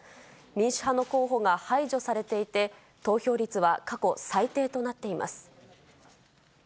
民主派の候補が排除されていて、投票率は過去最低となっています。